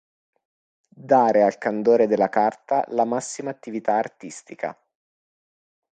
Dare al candore della carta la massima attività artistica.